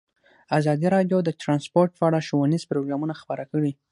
ازادي راډیو د ترانسپورټ په اړه ښوونیز پروګرامونه خپاره کړي.